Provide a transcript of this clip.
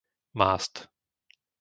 Mást